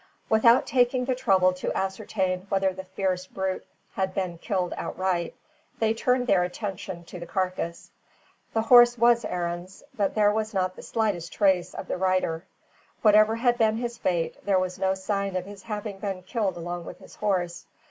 Without taking the trouble to ascertain whether the fierce brute had been killed outright, they turned their attention to the carcass. The horse was Arend's, but there was not the slightest trace of the rider. Whatever had been his fate, there was no sign of his having been killed along with his horse.